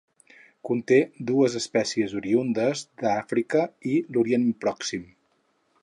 Conté dues espècies oriündes d'Àfrica i l'Orient Pròxim.